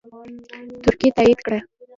ترکیې تایید کړه